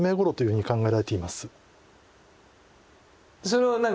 それは何？